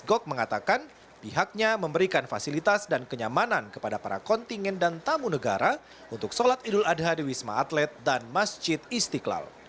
gok mengatakan pihaknya memberikan fasilitas dan kenyamanan kepada para kontingen dan tamu negara untuk sholat idul adha di wisma atlet dan masjid istiqlal